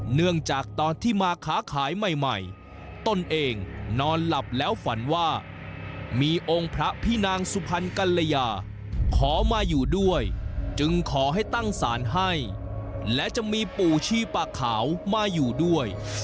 เนื่องจากตอนที่มาค้าขายใหม่ตนเองนอนหลับแล้วฝันว่ามีองค์พระพี่นางสุพรรณกัลยาขอมาอยู่ด้วยจึงขอให้ตั้งศาลให้และจะมีปู่ชีปากขาวมาอยู่ด้วย